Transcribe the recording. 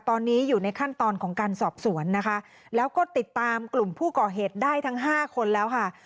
ตอนนี้อยู่ในขั้นตอนของการสอบสวนนะคะแล้วก็ติดตามกลุ่มผู้ก่อเหตุได้ทั้งห้าคนแล้วค่ะ